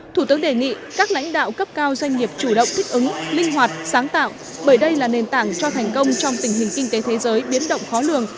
thủ tướng đề nghị các lãnh đạo cấp cao doanh nghiệp chủ động thích ứng linh hoạt sáng tạo bởi đây là nền tảng cho thành công trong tình hình kinh tế thế giới biến động khó lường